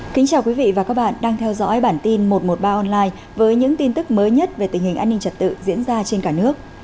kính chào quý vị và các bạn đang theo dõi bản tin một trăm một mươi ba online với những tin tức mới nhất về tình hình an ninh trật tự diễn ra trên cả nước